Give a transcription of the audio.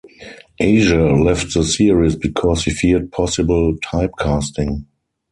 Asier left the series because he feared possible typecasting.